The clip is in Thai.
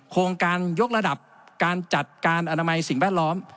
โครงการยกระดับการจัดการอนามัยสิ่งแวดล้อม